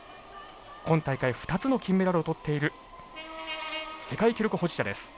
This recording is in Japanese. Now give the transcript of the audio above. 今大会２つの金メダルをとっている世界記録保持者です。